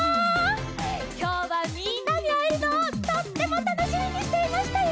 きょうはみんなにあえるのをとってもたのしみにしていましたよ！